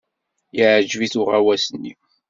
Yeɛjeb-it uɣawas-nni.